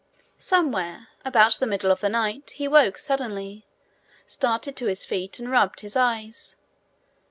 Somewhere about the middle of the night, he woke suddenly, started to his feet, and rubbed his eyes.